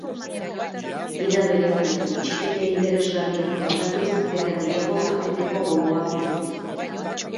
Gida berezia, bitxikeria interesgarriak kontatuz eta gehiago jakiteko gogoa piztuz.